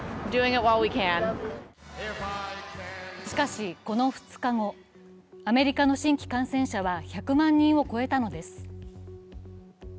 しかし、この２日後、アメリカの新規感染者は１００万人を超えたのです。